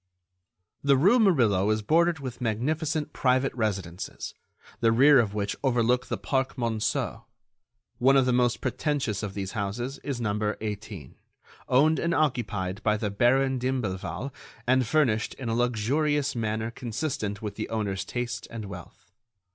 The rue Murillo is bordered with magnificent private residences, the rear of which overlook the Parc Monceau. One of the most pretentious of these houses is number 18, owned and occupied by the Baron d'Imblevalle and furnished in a luxurious manner consistent with the owner's taste and wealth.